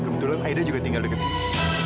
kebetulan aida juga tinggal dekat sini